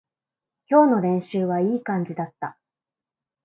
今日の練習はいい感じだった